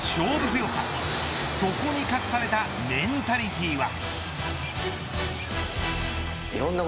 強さそこに隠されたメンタリティーは。